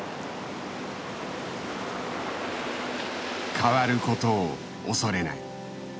変わることを恐れない。